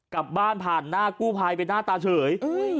กลับบ้านผ่านหน้ากู้ภัยไปหน้าตาเฉย